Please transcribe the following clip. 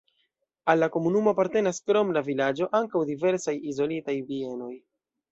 Al la komunumo apartenas krom la vilaĝo ankaŭ diversaj izolitaj bienoj.